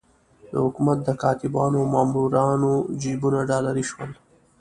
د حکومت د کاتبانو او مامورانو جېبونه ډالري شول.